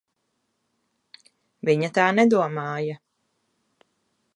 Viņa tā nedomāja.